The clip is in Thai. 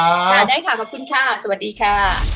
ค่ะได้ค่ะขอบคุณค่ะสวัสดีค่ะ